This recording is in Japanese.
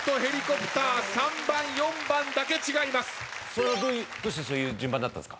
それはどうしてそういう順番になったんですか？